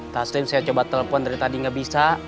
taslim saya coba telepon dari tadi nggak bisa